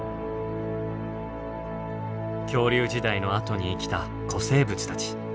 恐竜時代のあとに生きた古生物たち。